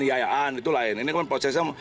baru tadi malam